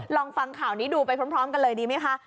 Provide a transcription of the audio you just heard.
ลองฟังข่าวนี้ดูไปพร้อมกันเลยดีไหมคะ